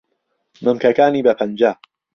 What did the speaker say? مهمکهکانی به پهنجه